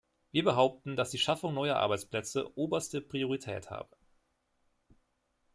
Wir behaupten, dass die Schaffung neuer Arbeitsplätze oberste Priorität habe.